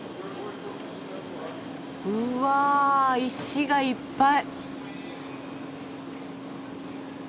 うわ石がいっぱい。